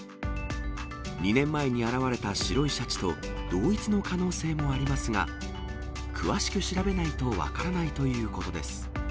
２年前に現れた白いシャチと同一の可能性もありますが、詳しく調べないと分からないということです。